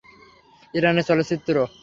ইরানের চলচ্চিত্র